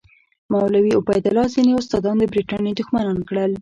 مولوي عبیدالله ځینې استادان د برټانیې دښمنان کړل.